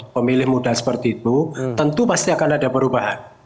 pemilih muda seperti itu tentu pasti akan ada perubahan